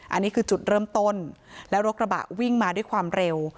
อันนี้คือจุดเริ่มต้นแล้วรถกระบะวิ่งมาด้วยความเร็ว